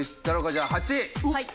じゃあ８！